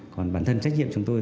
còn bản thân trách nhiệm chúng tôi